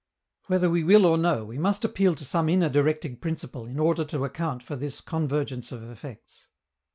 Whether we will or no, we must appeal to some inner directing principle in order to account for this convergence of effects.